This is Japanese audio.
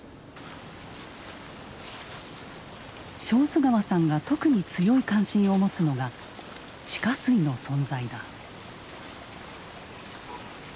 小豆川さんが特に強い関心を持つのが地下水の存在だ。